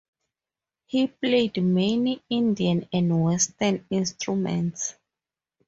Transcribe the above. He played many Indian and Western instruments.